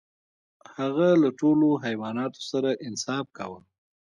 هغه له ټولو حیواناتو سره انصاف کاوه.